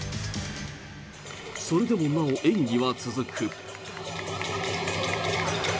それでもなお演技は続く。